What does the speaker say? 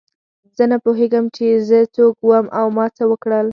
زه نه پوهېږم چې زه څوک وم او ما څه وکړل.